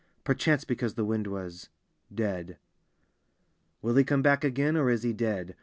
Perchance because the wind was — dead. Will he come back again or is he dead?